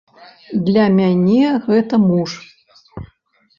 Для мяне гэта муж.